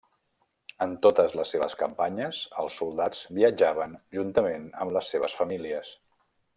En totes les seves campanyes, els soldats viatjaven juntament amb les seves famílies.